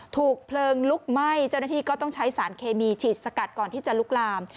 ถูกเพลิงลุกไหม้เจ้าหน้าที่ก็ต้องใช้สารเคมีฉีดสกัดก่อนที่จะลุกลาม